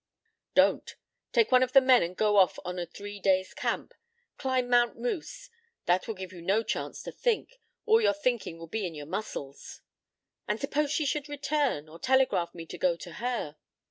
"Don't. Take one of the men and go off on a three days' tramp. Climb Mount Moose. That will give you no chance to think. All your thinking will be in your muscles." "And suppose she should return or telegraph me to go to her?"